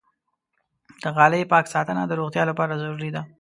د غالۍ پاک ساتنه د روغتیا لپاره ضروري ده.